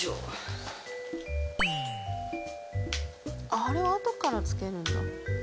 あれはあとからつけるんだ。